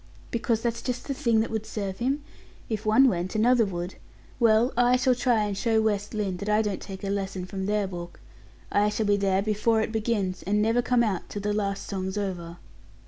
"Because that's just the thing that would serve him? If one went, another would. Well, I shall try and show West Lynne that I don't take a lesson from their book; I shall be there before it begins, and never come out till the last song's over.